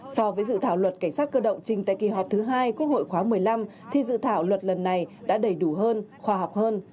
so với dự thảo luật cảnh sát cơ động trình tại kỳ họp thứ hai quốc hội khóa một mươi năm thì dự thảo luật lần này đã đầy đủ hơn khoa học hơn